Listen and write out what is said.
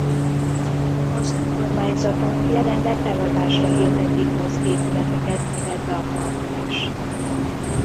Az önkormányzatok jelenleg eladásra hirdetik az épületeket illetve a parkot is.